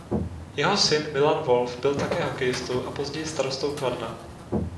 Jeho syn Milan Volf byl také hokejistou a později starostou Kladna.